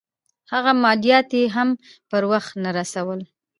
هغه مالیات یې هم پر وخت نه رسول.